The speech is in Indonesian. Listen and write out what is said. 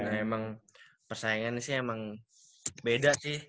nah emang persaingan sih emang beda sih